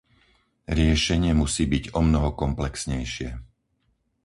Riešenie musí byť omnoho komplexnejšie.